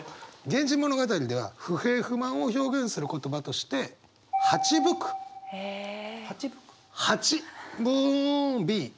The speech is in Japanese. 「源氏物語」では不平不満を表現する言葉として「蜂吹く」蜂ブンビーン。